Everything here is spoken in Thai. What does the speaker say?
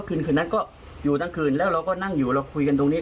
คืนคืนนั้นก็อยู่ทั้งคืนแล้วเราก็นั่งอยู่เราคุยกันตรงนี้